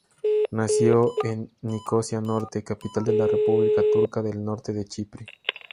Nació en Nicosia Norte, capital de la República Turca del Norte de Chipre.